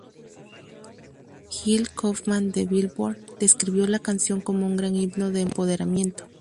Gil Kaufman de "Billboard" describió la canción como "un gran himno de empoderamiento".